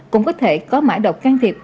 cũng có thể có mã độc can thiệp